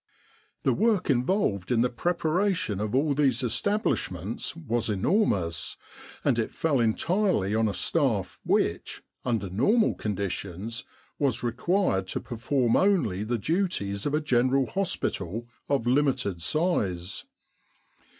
The work involved in the preparation of all these establishments was enormous; and it fell entirely on a staff which, under normal conditions, was required to perform only the duties of a General Hospital of limited size.